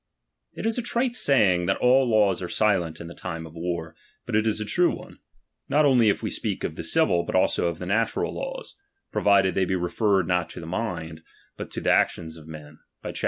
It is a trite saying, that all laws are silent in the time of war, and it is a true one, not only if we ■ speak of the civil, but also of the natural laws, pro vided they be referred not to the mind, but to the actions of men, by chap.